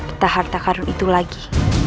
entah harta karun itu lagi